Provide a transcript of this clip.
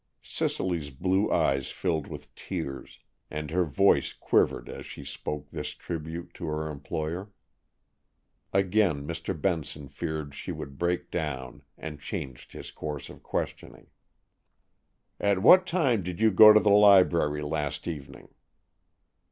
Cicely's blue eyes filled with tears, and her voice quivered as she spoke this tribute to her employer. Again Mr. Benson feared she would break down, and changed his course of questioning. "At what time did you go to the library last evening?"